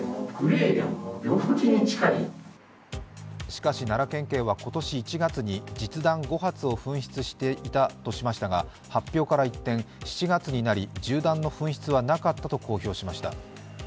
しかし、奈良県警は今年１月に実弾５発を紛失していたとしましたが発表から一転、７月になり銃弾の紛失はなかったと公表しました。